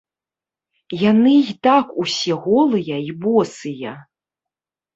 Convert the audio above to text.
Яны і так ўсе голыя і босыя.